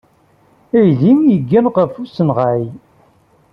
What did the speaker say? Aydi yeggan ɣef usenɣay.